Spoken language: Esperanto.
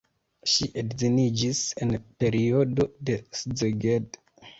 Ŝi edziniĝis en periodo de Szeged.